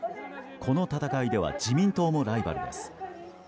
この戦いでは自民党もライバルです。